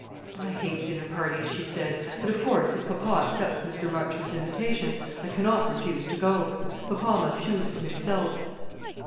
"I hate dinner parties," she said; "but, of course, if papa accepts Mr. Marchmont's invitation, I cannot refuse to go. Papa must choose for himself."